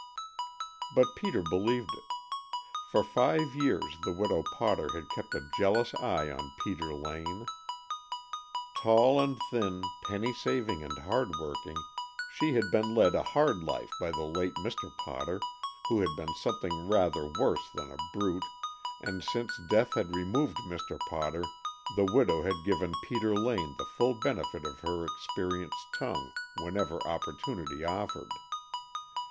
But Peter believed it. For five years the Widow Potter had kept a jealous eye on Peter Lane. Tall and thin, penny saving and hard working, she had been led a hard life by the late Mr. Potter, who had been something rather worse than a brute, and since death had removed Mr. Potter the widow had given Peter Lane the full benefit of her experienced tongue whenever opportunity offered.